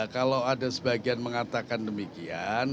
kalau ada sebagian mengatakan demikian